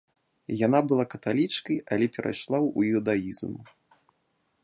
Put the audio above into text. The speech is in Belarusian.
Яна была каталічкай, але перайшла ў іўдаізм.